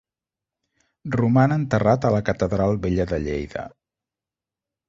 Roman enterrat a la Catedral vella de Lleida.